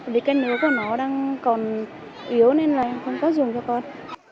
vì cái nướu của nó đang còn yếu nên là không có dùng cho con